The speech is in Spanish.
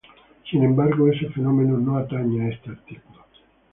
Sin embargo ese fenómeno no atañe a este artículo.